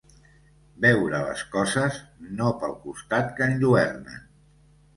Veure les coses, no pel costat que enlluernen